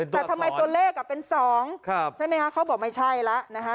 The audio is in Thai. แต่ทำไมตัวเลขอ่ะเป็นสองครับใช่ไหมฮะเขาบอกไม่ใช่แล้วนะฮะ